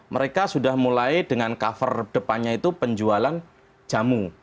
mereka sudah mulai dengan cover depannya itu penjualan jamu